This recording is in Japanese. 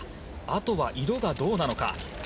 あとは色がどうなのか。